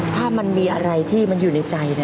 ถ้ามันมีอะไรที่มันอยู่ในใจ